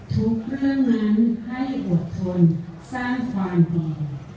ทุกเรื่องนั้นให้อดทนสร้างความดี